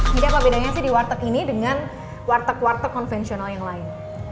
jadi apa bedanya sih di warteg ini dengan warteg warteg konvensional yang lain